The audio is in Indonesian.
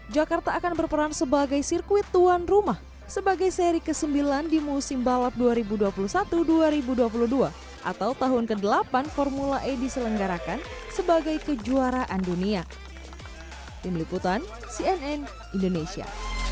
jakarta akan berperan sebagai sirkuit tuan rumah sebagai seri ke sembilan di musim balap dua ribu dua puluh satu dua ribu dua puluh dua atau tahun ke delapan formula e diselenggarakan sebagai kejuaraan dunia